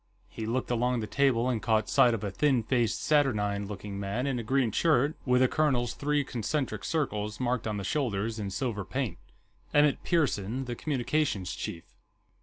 He looked along the table, and caught sight of a thin faced, saturnine looking man in a green shirt, with a colonel's three concentric circles marked on the shoulders in silver paint. Emmett Pearson, the communications chief.